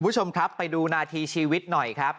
คุณผู้ชมครับไปดูนาทีชีวิตหน่อยครับ